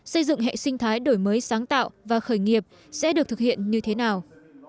xây dựng hệ sinh thái đổi mới sáng tạo và khởi nghiệp sẽ được thực hiện như thế nào